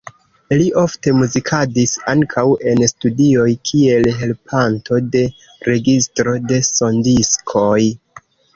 Li ofte muzikadis ankaŭ en studioj, kiel helpanto de registro de sondiskoj.